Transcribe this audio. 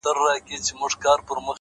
د بېوفا لفظونه راوړل”